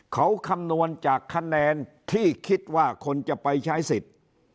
เขาคำนวณจากคะแนนที่คิดว่าคนจะไปใช้สิทธิ์